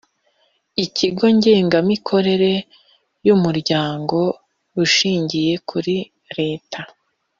ikigo ngengamikorere y Umuryango ushingiye kuri leta